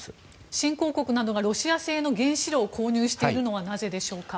新興国などがロシア製の原子炉を購入しているのはなぜでしょうか。